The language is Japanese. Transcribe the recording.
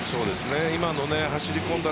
今の走り込んだ